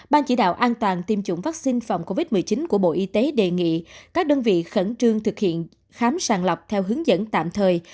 ban chỉ đạo an toàn tiêm chủng vaccine phòng covid một mươi chín của bộ y tế đề nghị các đơn vị khẩn trương thực hiện khám sàng lọc theo hướng dẫn tạm thời